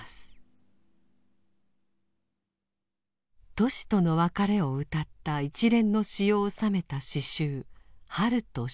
トシとの別れをうたった一連の詩を収めた詩集「春と修羅」。